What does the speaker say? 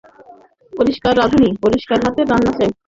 পরিষ্কার রাঁধুনী, পরিষ্কার হাতের রান্না চাই।